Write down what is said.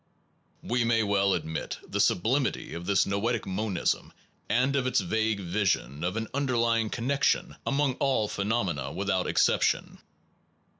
We may well admit the sublimity of this noetic monism and of its vague vision of an underlying connection among all phenomena without exception.